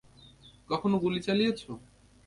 কখনো গুলি চালিয়েছ?